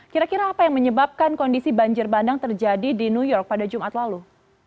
kira kira apa yang menyebabkan kondisi banjir bandang terjadi di new york pada jumat lalu